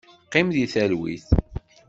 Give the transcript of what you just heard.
Qqim deg talwit.